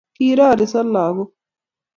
Kiroroso lagook